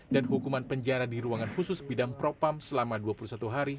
dan hukuman penjara di ruangan khusus bidang propam selama dua puluh satu hari